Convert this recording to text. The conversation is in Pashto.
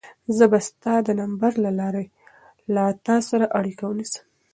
زه به ستا د نمبر له لارې له تا سره اړیکه ونیسم.